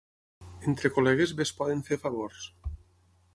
Entre col·legues bé es poden fer favors.